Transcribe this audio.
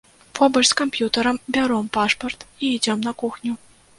Побач з камп'ютарам бяром пашпарт і ідзём на кухню.